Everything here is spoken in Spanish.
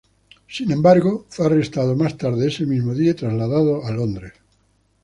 Sin embargo, fue arrestado más tarde ese mismo día y trasladado a Londres.